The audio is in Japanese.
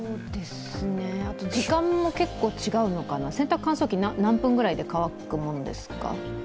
後時間も結構違うのかな、洗濯乾燥機って何分ぐらいで乾くものですか？